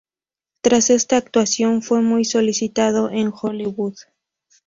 Tras esta actuación, fue muy solicitado en Hollywood.